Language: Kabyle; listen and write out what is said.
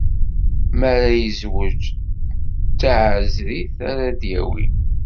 Mi ara yezweǧ, d taɛezrit ara d-yawi.